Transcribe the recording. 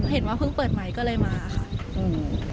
เห็นว่าเพิ่งเปิดใหม่ก็เลยมาค่ะอืม